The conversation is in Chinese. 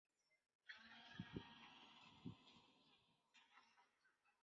头部前半部呈方形。